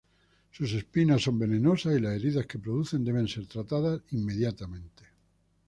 Sus espinas son venenosas y las heridas que producen deben ser tratadas inmediatamente.